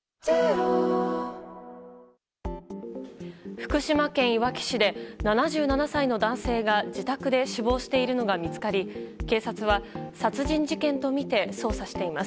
福島県いわき市で７７歳の男性が自宅で死亡しているのが見つかり警察は殺人事件とみて捜査しています。